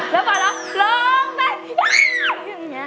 แล้วพ่อล้องล้องแม่งอย่างเงี้ย